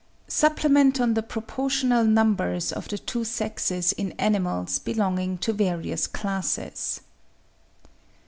SUPPLEMENT ON THE PROPORTIONAL NUMBERS OF THE TWO SEXES IN ANIMALS BELONGING TO VARIOUS CLASSES.